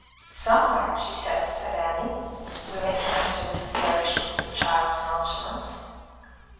"Somewhere, she says," said Annie, willing to answer Mrs. Gerrish with the child's nonchalance.